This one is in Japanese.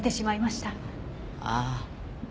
ああ。